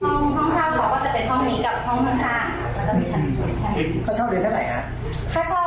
ห้องห้องเช่าขอว่าจะเป็นห้องนี้กับห้องห้องนี้แล้วก็มีชั้น